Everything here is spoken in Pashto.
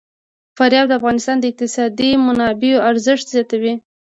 فاریاب د افغانستان د اقتصادي منابعو ارزښت زیاتوي.